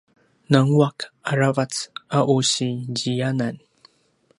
nanguaq a ravac a u si ziyanan